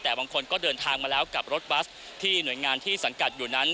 แต่บางคนก็เดินทางมาแล้วกับรถบัสที่หน่วยงานที่สังกัดอยู่นั้น